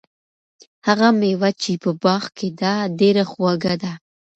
هغه مېوه چې په باغ کې ده، ډېره خوږه ده.